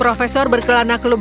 h rugged sampai melayan dominium